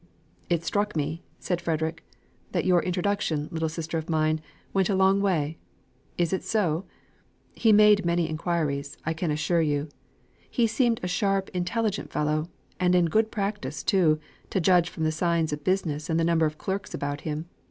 "It struck me," said Frederick, "that your introduction, little sister of mine, went a long way. Is it so? He made so many inquiries, I can assure you. He seemed a sharp, intelligent fellow, and in good practice too, to judge from the signs of business and the number of clerks about him.